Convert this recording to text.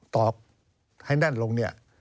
ตอบให้แน่นลง